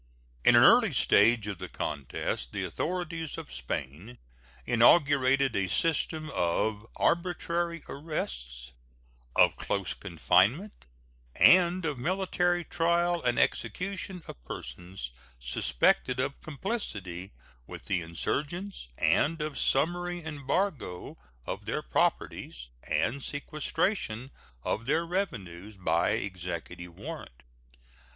In an early stage of the contest the authorities of Spain inaugurated a system of arbitrary arrests, of close confinement, and of military trial and execution of persons suspected of complicity with the insurgents, and of summary embargo of their properties, and sequestration of their revenues by executive warrant.